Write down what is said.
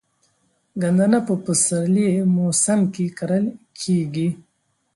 ګندنه په پسرلي موسم کې کرل کیږي.